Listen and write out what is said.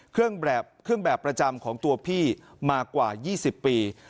เครื่องแบบประจำของตัวพี่มากกว่า๒๐ปี